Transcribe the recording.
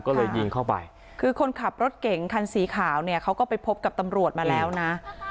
ก็เลยยิงเข้าไปคือคนขับรถเก่งคันสีขาวเนี่ยเขาก็ไปพบกับตำรวจมาแล้วนะ